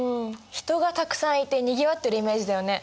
人がたくさんいてにぎわってるイメージだよね。